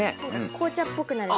紅茶っぽくなる。